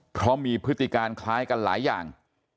เพราะมีพฤติการคล้ายกันหลายอย่าง